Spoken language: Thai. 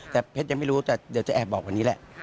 แต่เพชรยังไม่รู้แต่เดี๋ยวจะแอบบอกวันนี้แหละ